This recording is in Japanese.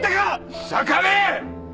日下部！